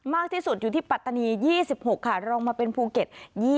มากที่สุดอยู่ที่ปัตตานี๒๖ค่ะรองมาเป็นภูเก็ต